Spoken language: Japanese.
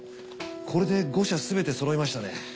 これで５社すべてそろいましたね。